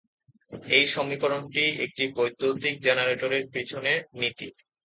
এই সমীকরণটি একটি বৈদ্যুতিক জেনারেটরের পিছনে নীতি।